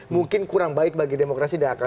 mungkin kurang baik bagi demokrasi dan akal